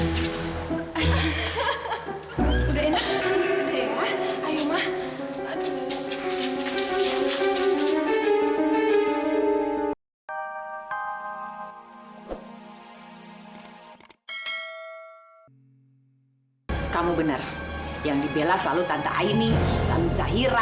sampai jumpa di video selanjutnya